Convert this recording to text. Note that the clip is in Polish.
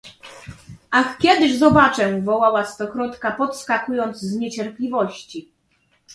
"Ach kiedyż zobaczę!“ wołała Stokrotka, podskakując z niecierpliwości."